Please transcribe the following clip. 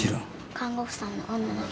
看護師さんの女の人。